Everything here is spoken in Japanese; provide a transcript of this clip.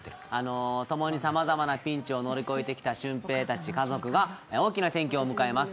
ともにさまざまなピンチを乗り越えてきた俊平たち家族が大きな転機を迎えます。